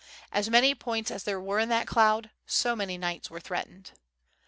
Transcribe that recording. As many points as there were in that cloud, so many knights were threatened.